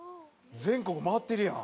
全国回ってるやん。